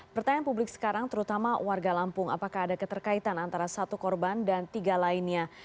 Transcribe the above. pertanyaan publik sekarang terutama warga lampung apakah ada keterkaitan antara satu korban dan tiga lainnya